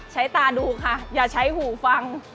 ตาดูค่ะอย่าใช้หูฟัง